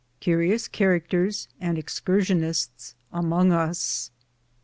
CURIOUS CnAEACTERS AND EXCURSIONISTS AMONG US.